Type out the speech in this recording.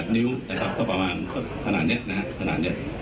๓๘นิ้วนะครับก็ประมาณขนาดเนี่ยนะครับ